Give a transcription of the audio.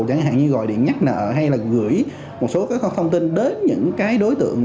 chẳng hạn như gọi điện nhắc nợ hay là gửi một số thông tin đến những đối tượng